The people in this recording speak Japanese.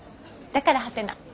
だからハテナ。